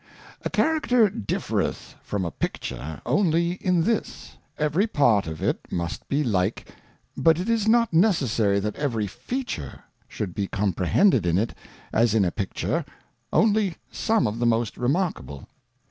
A Character differeth from a Picture only in this^ every Part *^ of it must be like, but it is not necessary that every Feature should be comprehended in it as in a Picture, only some of the most remarkable.